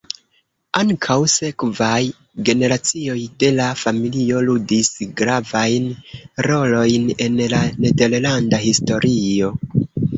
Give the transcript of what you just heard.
Ankaŭ sekvaj generacioj de la familio ludis gravajn rolojn en la nederlanda historio.